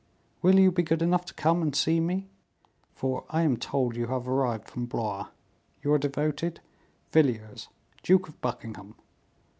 Will you be good enough to come and see me? for I am told you have arrived from Blois. "Your devoted "VILLIERS, Duke of Buckingham."